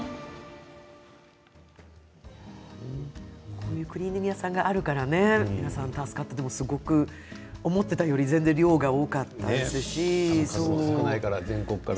こういうクリーニング屋さんがあるから皆さん助かってでも、すごく思っていたよりも量が多かったし。